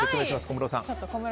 小室さん。